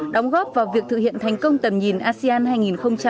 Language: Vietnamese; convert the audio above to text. đóng góp vào việc thực hiện thành công tầm nhìn asean hai nghìn hai mươi năm